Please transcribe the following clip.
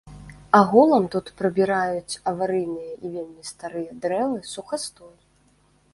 Агулам тут прыбіраюць аварыйныя і вельмі старыя дрэвы, сухастой.